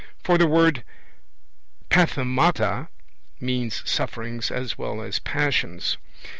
(For the word pathemata means 'sufferings' as well as 'passions'.)